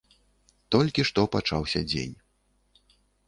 Толькі што пачаўся дзень.